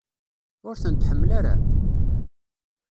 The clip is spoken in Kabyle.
Ur tent-tḥemmel ara?